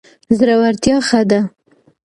زړورتیا ښه ده.